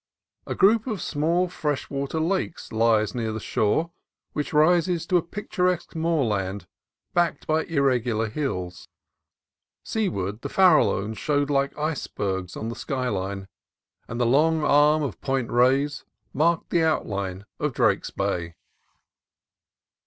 A group of small fresh water lakes lies near the shore, which rises to a picturesque moorland backed by irregular hills. Seaward, the Farallones showed like icebergs on the sky line, and the long arm of Point Reyes marked the outline of Drake's Bay.